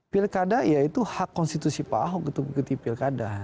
pirk ada yaitu hak konstitusi pahok ketuk ketuk pirk ada